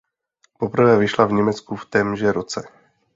Poprvé vyšla v Německu v témže roce.